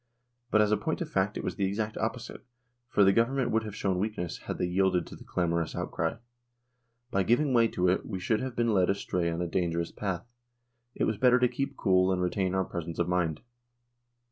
But as a point of fact it was the exact opposite, for the Government would have shown weakness had they K 2 132 NORWAY AND THE UNION WITH SWEDEN yielded to the clamorous outcry. By giving way to it we should have been led astray on a dangerous path ; it was better to keep cool and retain our presence of mind."